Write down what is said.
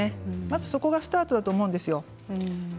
そこがスタートだと思います。